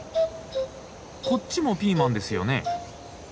こっちもピーマンですよね？